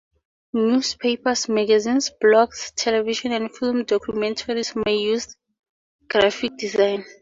Newspapers, magazines, blogs, television and film documentaries may use graphic design.